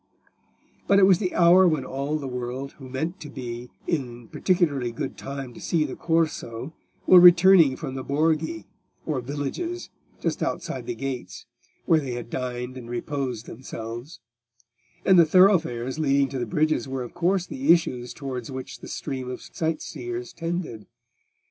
But it was the hour when all the world who meant to be in particularly good time to see the Corso were returning from the Borghi, or villages just outside the gates, where they had dined and reposed themselves; and the thoroughfares leading to the bridges were of course the issues towards which the stream of sightseers tended.